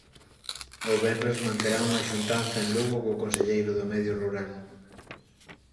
O venres manterán unha xuntanza en Lugo co conselleiro do Medio Rural.